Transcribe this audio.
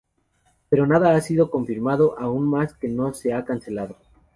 Pero nada ha sido confirmado aún más que no se ha cancelado.